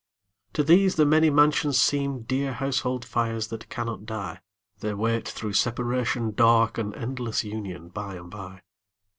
To these the many mansions seem Dear household fires that cannot die; They wait through separation dark An endless union by and by.